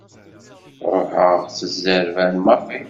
Ruḥeɣ s zzerban maḍi.